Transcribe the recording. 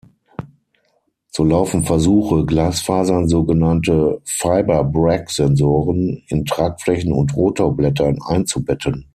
So laufen Versuche, Glasfasern, sogenannte Fibre-Bragg-Sensoren, in Tragflächen und Rotorblättern einzubetten.